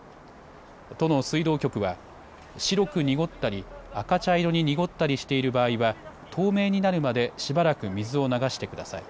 都の水道局は白く濁ったり赤茶色に濁ったりしている場合は透明になるまでしばらく水を流してください。